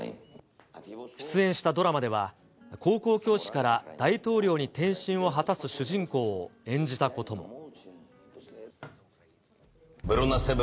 出演したドラマでは、高校教師から大統領に転身を果たす主人公を演じたことも。